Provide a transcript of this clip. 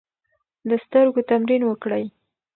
د سترګو تمرین وکړئ.